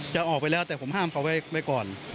จะออกไปแล้วแต่ผมห้ามเขาไว้ก่อน